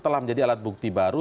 telah menjadi alat bukti baru